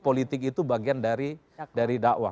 politik itu bagian dari dakwah